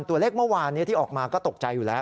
ตัวเลขเมื่อวานที่ออกมาก็ตกใจอยู่แล้ว